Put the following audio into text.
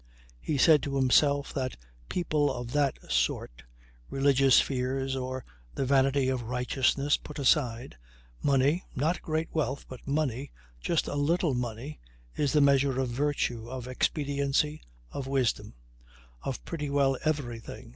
He said to himself that for people of that sort (religious fears or the vanity of righteousness put aside) money not great wealth, but money, just a little money is the measure of virtue, of expediency, of wisdom of pretty well everything.